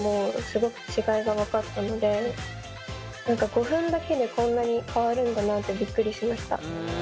５分だけでこんなに変わるんだなってびっくりしました。